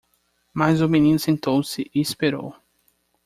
Mas o menino sentou-se e esperou.